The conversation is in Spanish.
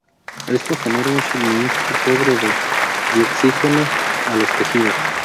Esto genera un suministro pobre de dioxígeno a los tejidos.